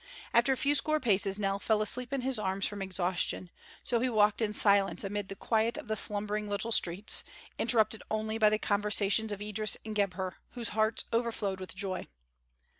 After a few score paces Nell fell asleep in his arms from exhaustion; so he walked in silence amid the quiet of the slumbering little streets, interrupted only by the conversation of Idris and Gebhr, whose hearts overflowed with joy.